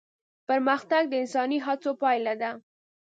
پرمختګ د انساني هڅو پايله ده.